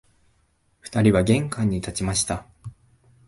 二人は玄関に立ちました